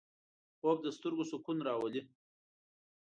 خوب د سترګو سکون راولي